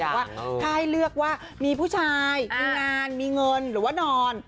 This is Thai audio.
ว่าถ้าให้เลือกว่ามีผู้ชายมีงานมีเงินหรือว่านอน